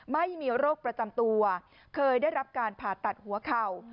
ไม่มีโรคประจำตัวเคยได้รับการผ่าตัดหัวเข่า